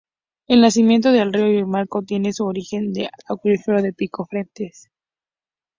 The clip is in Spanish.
El nacimiento del río Golmayo tiene su origen en el acuífero de Pico Frentes.